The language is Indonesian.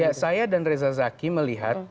ya saya dan reza zaki melihat